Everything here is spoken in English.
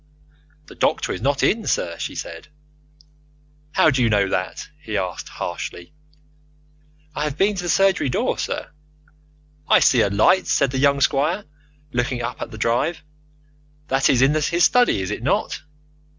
"The doctor is not in, sir," said she. "How do you know that?" he asked harshly. "I have been to the surgery door, sir." "I see a light," said the young squire, looking up the drive. "That is in his study, is it not?"